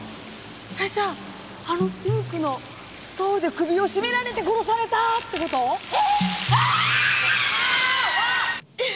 じゃああのピンクのストールで首をしめられて殺されたって事？え！？